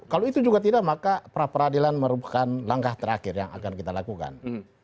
kalau itu juga tidak maka pra peradilan merupakan langkah terakhir yang akan kita lakukan